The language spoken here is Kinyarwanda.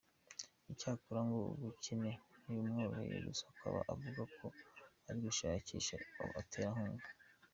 icyakora ngo ubukene ntibumworoheye gusa akaba avuga ko ari gushakisha abaterankunga.